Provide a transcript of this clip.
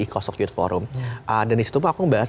ecosoft youth forum dan disitu aku membahas